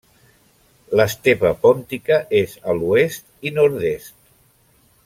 L'estepa pòntica és a l'oest i nord-est.